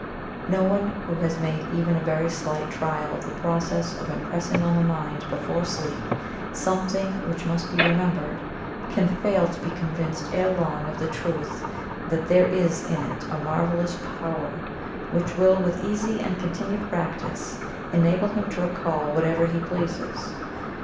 No one who has made even a very slight trial of the process of impressing on the mind before sleep something which must be remembered, can fail to be convinced ere long of the truth that there is in it a marvelous power which will with easy and continued practice enable him to recall whatever he pleases.